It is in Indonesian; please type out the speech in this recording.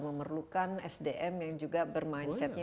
memerlukan sdm yang juga berminsetnya